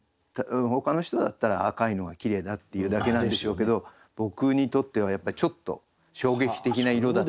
ほかの人だったら赤いのはきれいだっていうだけなんでしょうけど僕にとってはやっぱりちょっと衝撃的な色だった。